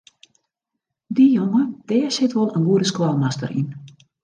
Dy jonge dêr sit wol in goede skoalmaster yn.